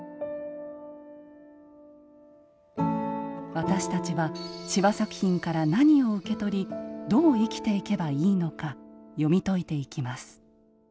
私たちは司馬作品から何を受け取りどう生きていけばいいのか読み解いていきます。